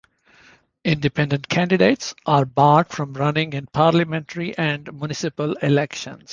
Independent candidates are barred from running in parliamentary and municipal elections.